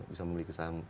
bisa memiliki saham